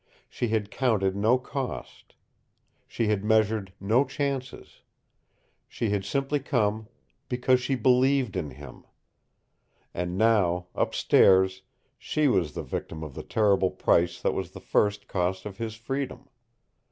She had counted no cost. She had measured no chances. She had simply come BECAUSE SHE BELIEVED IN HIM. And now, upstairs, she was the victim of the terrible price that was the first cost of his freedom.